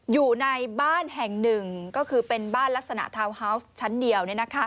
อยู่ในบ้านแห่งหนึ่งก็คือเป็นบ้านลักษณะทาวน์ฮาวส์ชั้นเดียว